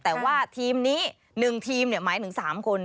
แต่ว่าทีมนี้๑ทีมหมายถึง๓คน